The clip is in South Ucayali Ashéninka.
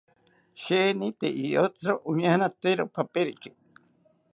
Sheeni tee iyotziro oñaanatero paperiki